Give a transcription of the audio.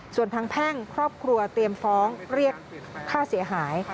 ส่วนทางแพ่งครอบครัวเตรียมฟ้องเรียกค่าเสียหาย